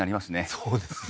そうですね